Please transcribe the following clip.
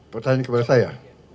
pertanyaan kepada saya